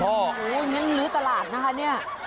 โหยังหรือตลาดนะคะเนี่ย